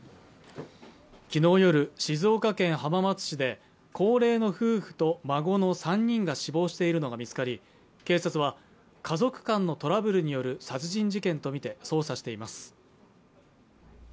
昨日夜、静岡県浜松市で高齢の夫婦と孫の３人が死亡しているのが見つかり警察は家族間のトラブルによる殺人事件とみて捜査しています